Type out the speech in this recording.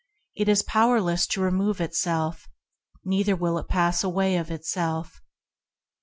It is powerless to remove itself, neither will it pass away of itself.